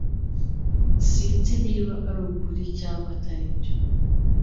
Sinzi niba arukuri cyangwa atari byo